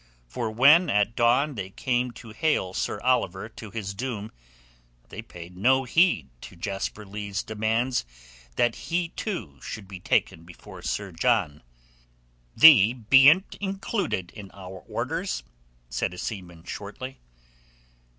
For when at dawn they came to hale Sir Oliver to his doom, they paid no heed to Jasper Leigh's demands that he, too, should be taken before Sir John. "Thee bean't included in our orders," said a seaman shortly.